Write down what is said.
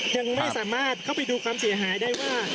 ยังไม่สามารถเข้าไปดูความเสียหายได้ว่า